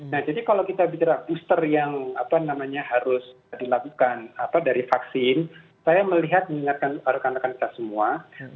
nah jadi kalau kita bicara booster yang harus dilakukan dari vaksin saya melihat mengingatkan rekan rekan kita semua